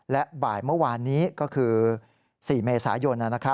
และบ่ายเมื่อวานนี้ก็คือ๔เมษายน